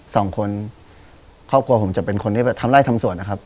สองคนครอบครัวผมจะเป็นคนที่ทำร่ายทำสวนนะครับ